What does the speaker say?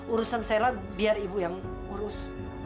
urusan saya biar ibu yang urus